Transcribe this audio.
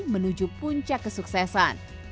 menuju puncak kesuksesan